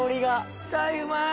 絶対うまい！